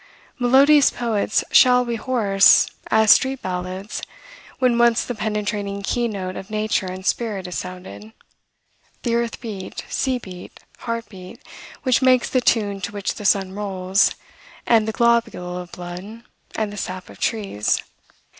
Melodious poets shall be hoarse as street ballads, when once the penetrating key note of nature and spirit is sounded, the earth beat, sea beat, heart beat which makes the tune to which the sun rolls, and the globule of blood, and the sap of trees.